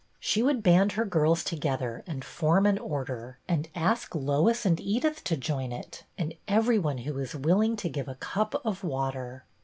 She would band her girls together and form an order, and ask Lois and Edith to join it, and every one who was willing to give a cup of water.